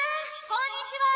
こんにちは！